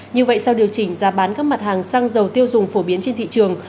như vậy sau điều chỉnh giá bán các mặt hàng xăng dầu tiêu dùng phổ biến trên thị trường